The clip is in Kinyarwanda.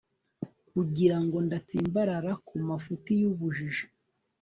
kugira ngo ndatsimbarara ku mafuti y'ubujiji